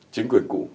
chính quyền cũ